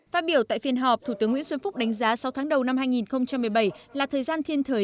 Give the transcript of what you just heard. phát biểu tại phiên họp thủ tướng nguyễn xuân phúc đánh giá sáu tháng đầu năm hai nghìn một mươi bảy là thời gian thiên thời